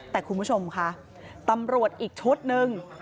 แต่คุณผู้ชมค่ะตำรวจอีกชุดหนึ่ง